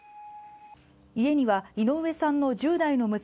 家には井上さんの１０代の娘